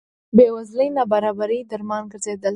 بې وزلۍ نابرابرۍ درمان ګرځېدلي.